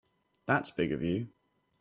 That's big of you.